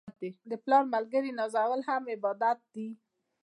د پلار ملګري نازول هم عبادت دی.